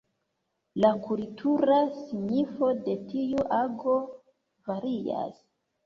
La kultura signifo de tiu ago varias.